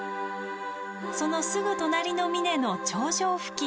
そのすぐ隣の峰の頂上付近